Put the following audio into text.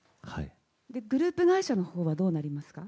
グループ会社のほうはどうなりますか？